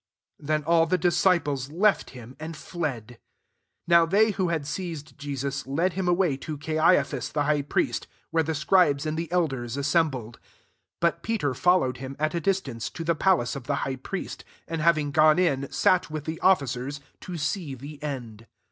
Then all the disciples left him and fled. 57 NOW they who had seized Jesus, led Mm away to Caiaphas the high priest; where the scribes and the dders bled. 58 But Peter followeii him, at a distance, to the pa lace of the high priest ; and having gone in, sat with the ofiicers, to see the end.